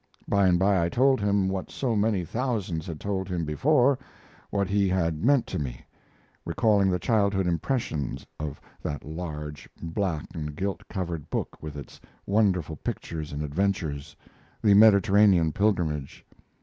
By and by I told him what so many thousands had told him before: what he had meant to me, recalling the childhood impressions of that large, black and gilt covered book with its wonderful pictures and adventures the Mediterranean pilgrimage.